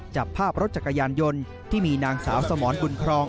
จับภาพรถจักรยานยนต์ที่มีนางสาวสมรบุญครอง